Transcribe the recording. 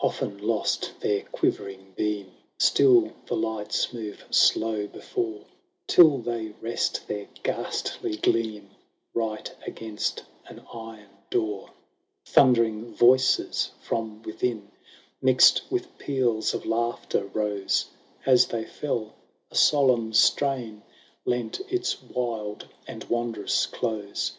Often lost their quivering beam, Still the lights move slow before, Till they rest their ghastly gleam Eight against an iron door. Thundering voices from within, Mixed with peals of laughter, rose ; As they fell, a solemn strain Lent its wild and wondrous close